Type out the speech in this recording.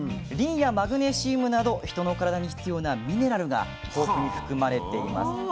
リンやマグネシウムなど人の体に必要なミネラルが豊富に含まれています。